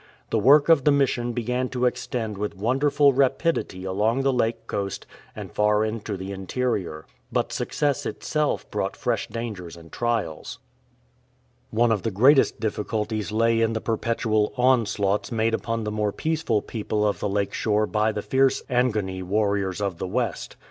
The work of the Mission began to extend with wonderful rapidity along the lake coast and far into the interior. But success itself brought fresh dangers and trials. One of the greatest difficulties lay in the perpetual onslaughts made upon the more peaceful people of the lake shore by the fierce Angoni warriors of the west.